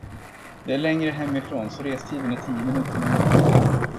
Det är längre hemifrån, så restiden är tio minuter längre.